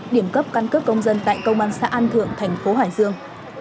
điểm cấp căn cước công dân tại công an xã an thượng thành phố hải dương